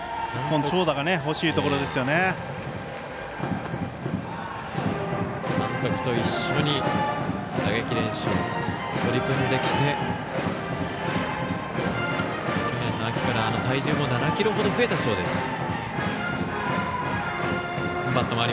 監督と一緒に打撃練習を取り組んできて去年の秋から体重も７ｋｇほど増えたそうです。